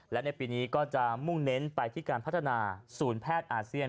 และในปีนี้ก็จะมุ่งเน้นไปที่การพัฒนาศูนย์แพทย์อาเซียน